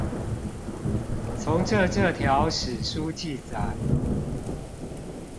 從這這條史書記載